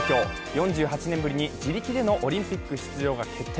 ４８年ぶりに自力でのオリンピック出場が決定。